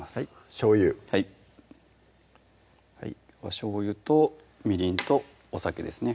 しょうゆはいはいしょうゆとみりんとお酒ですね